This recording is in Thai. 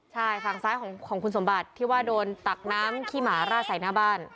ใช่ฝั่งซ้ายของคุณสมบัติที่ว่าโดนตักน้ำขี้หมาราดใส่หน้าบ้าน